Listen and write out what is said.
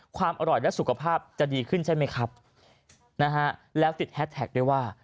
ความอร่อยและสุขภาพจะดีขึ้นใช่ไหมครับนะฮะแล้วติดแฮสแท็กด้วยว่า